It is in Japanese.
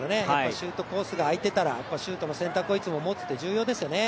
シュートコースが空いてたら、シュートの選択をいつも持つって、重要ですよね。